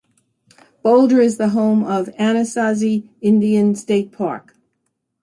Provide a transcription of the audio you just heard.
Boulder is the home of Anasazi Indian State Park.